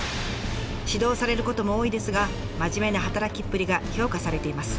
指導されることも多いですが真面目な働きっぷりが評価されています。